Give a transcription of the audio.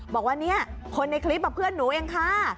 บอกว่าเนี่ยคนในคลิปเพื่อนหนูเองค่ะ